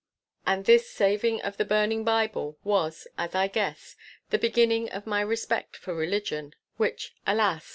And this saving of the burning Bible was, as I guess, the beginning of my respect for religion—which, alas!